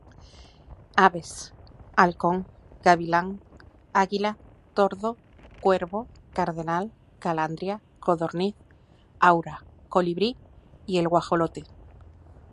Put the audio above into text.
Aves: halcón, gavilán, águila, tordo, Cuervo, cardenal, calandria, codorniz, aura, Colibrí y el guajolote.